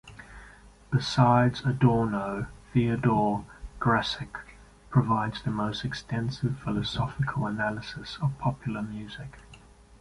Besides Adorno, Theodore Gracyk provides the most extensive philosophical analysis of popular music.